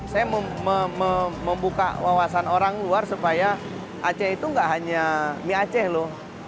saya membuka wawasan orang luar supaya aceh itu nggak hanya mie aceh loh